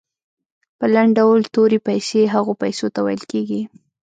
په لنډ ډول تورې پیسې هغو پیسو ته ویل کیږي.